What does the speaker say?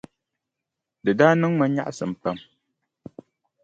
Di daa niŋ ma nyaɣisim pam.